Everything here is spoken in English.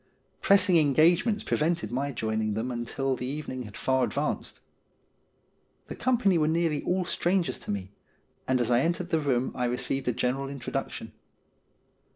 Press ing engagements prevented my joining them until the even ing had far advanced. The company were nearly all strangers to me, and as I entered the room I received a general intro duction.